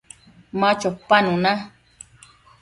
Ma chopanuna